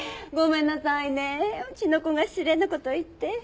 ごめんなさいねうちの子が失礼なこと言って。